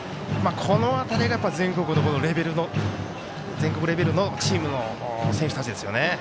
この辺りが全国レベルのチームの選手たちですよね。